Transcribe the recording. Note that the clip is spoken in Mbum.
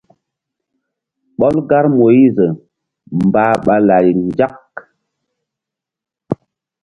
Ɓɔl gar Moyiz mbah ɓa lari nzak.